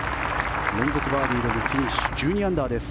連続バーディーでのフィニッシュ１２アンダーです。